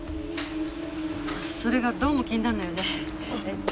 それがどうも気になるのよね。